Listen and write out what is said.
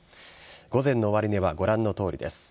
午前の終値は、ご覧のとおりです。